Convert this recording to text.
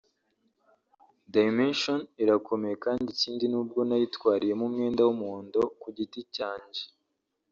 Dimension irakomeye kandi ikindi nubwo nayitwariyemo umwenda w’umuhondo ku giti cyanje